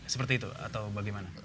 seperti itu atau bagaimana